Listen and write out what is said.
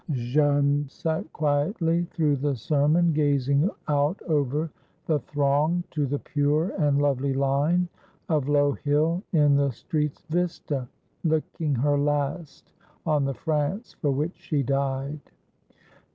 Jeanne sat quietly through the sermon, gazing out over the throng to the pure and lovely line of low hill in the street's vista, looking her last on the France for which she died.